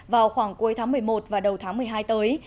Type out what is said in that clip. vào khoảng cuối tháng một mươi một và đầu tháng một mươi hai tới